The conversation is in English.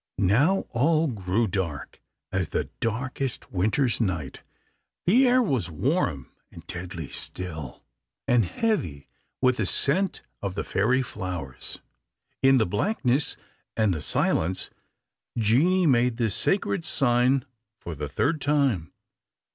Now all grew dark as the darkest winter's night. The air was warm and deadly still, and heavy with the scent of the fairy flowers. In the blackness and the silence, Jeanie made the sacred sign for the third time.